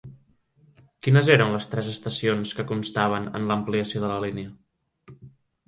Quines eren les tres estacions que constaven en l'ampliació de la línia?